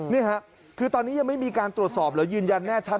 นี่ค่ะคือตอนนี้ยังไม่มีการตรวจสอบหรือยืนยันแน่ชัด